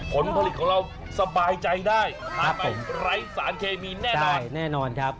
ผลผลิตของเราสบายใจได้ไร้สารเคมีแน่นอนแน่นอนครับ